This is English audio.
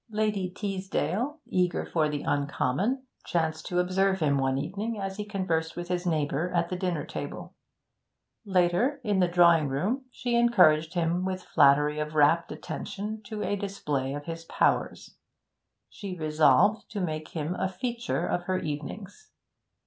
Lady Teasdale, eager for the uncommon, chanced to observe him one evening as he conversed with his neighbour at the dinner table; later, in the drawing room, she encouraged him with flattery of rapt attention to a display of his powers; she resolved to make him a feature of her evenings.